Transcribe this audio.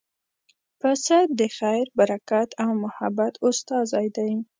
پسه د خیر، برکت او محبت استازی دی.